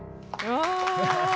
うわ！